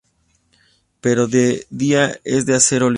Pero de día, es de acceso libre.